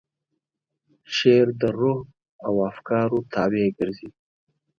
شعر د روح او افکارو تابع ګرځي.